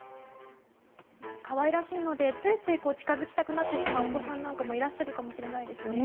可愛らしいのでついつい近づきたくなってしまうお子さんなんかもいらっしゃるかもしれませんよね。